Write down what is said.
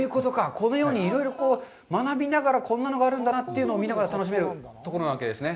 このようにいろいろ学びながら、こんなのがあるんだなというのを見ながら楽しめるところなんですね。